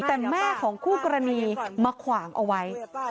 แต่แม่ของคู่กรณีมาขวางเอาไว้